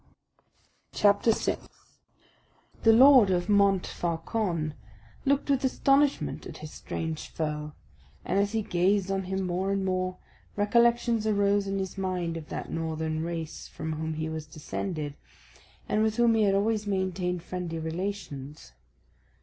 CHAPTER 6 The Lord of Montfaucon looked with astonishment at his strange foe; and as he gazed on him more and more, recollections arose in his mind of that northern race from whom he was descended, and with whom he had always maintained friendly relations.